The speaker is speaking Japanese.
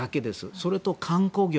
それと、観光業。